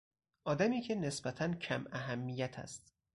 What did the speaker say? آدمی که نسبتا کم اهمیت است